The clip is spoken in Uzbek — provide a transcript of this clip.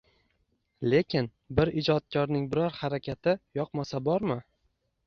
Lekin bir ijodkorning biror harakati yoqmasa bormi?